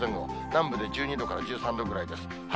南部で１２度から１３度ぐらいです。